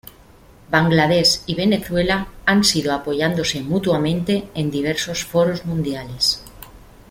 Bangladesh y Venezuela han sido apoyándose mutuamente en diversos foros mundiales.